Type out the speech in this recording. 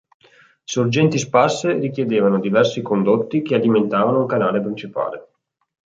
Sorgenti sparse richiedevano diversi condotti che alimentavano un canale principale.